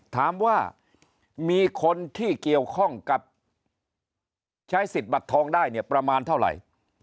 ถามว่ามีคนที่เกี่ยวข้องกับใช้สิทธิ์บัตรทองได้เนี่ยประมาณเท่าไหร่